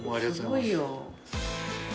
すごいよ。